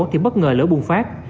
thì bất ngờ lửa bùng phát